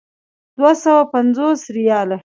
دوه سوه پنځوس ریاله.